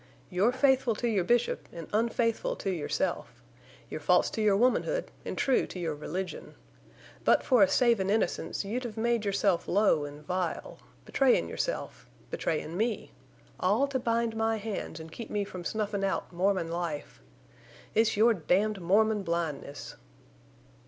You're faithful to your Bishop an' unfaithful to yourself. You're false to your womanhood an' true to your religion. But for a savin' innocence you'd have made yourself low an' vile—betrayin' yourself, betrayin' me—all to bind my hands an' keep me from snuffin' out Mormon life. It's your damned Mormon blindness."